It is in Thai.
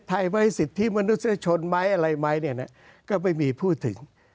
ไหนสิทธิมนุษยชนมั้ยอะไรมั้ยก็ไม่มีพูดถึง